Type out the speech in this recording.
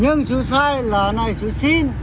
nhưng chú sai là này chú xin